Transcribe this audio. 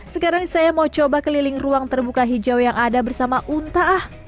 sekarang saya mau coba keliling ruang terbuka hijau yang ada bersama unta ah